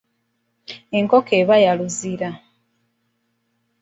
Enkoko eba ya luzira.